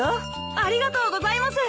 ありがとうございます！